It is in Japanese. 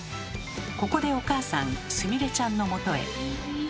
ここでお母さんすみれちゃんのもとへ。